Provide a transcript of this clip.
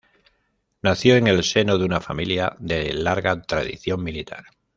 Nació en el seno de una familia de larga tradición militar.